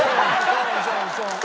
そうそうそう。